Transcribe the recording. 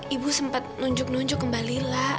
ibu sempat nunjuk nunjuk kembali lah